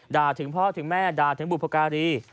ถึงพ่อถึงแม่ด่าถึงบุพการี